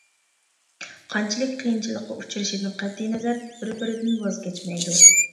قانچىلىك قىيىنچىلىققا ئۇچرىشىدىن قەتئىينەزەر بىر-بىرىدىن ۋاز كەچمەيدۇ.